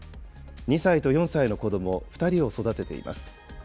２歳と４歳の子ども２人を育てています。